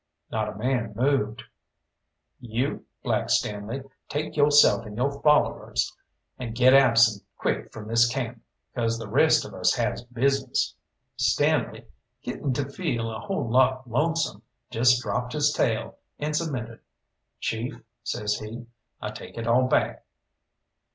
Not a man moved. "You, Black Stanley, take yo'self and yo' followers, and get absent quick from this camp, 'cause the rest of us has business." Stanley, getting to feel a whole lot lonesome, just dropped his tail, and submitted. "Chief," says he, "I take it all back."